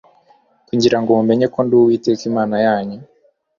kugira ngo mumenye yuko ndi Uwiteka Imana yanyu